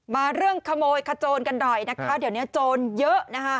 มาเรื่องขโมยขโจนกันหน่อยนะคะเดี๋ยวนี้โจรเยอะนะคะ